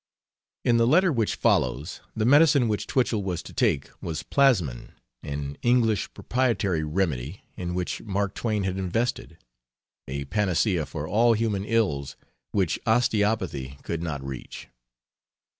In the letter which follows the medicine which Twichell was to take was Plasmon, an English proprietary remedy in which Mark Twain had invested a panacea for all human ills which osteopathy could not reach.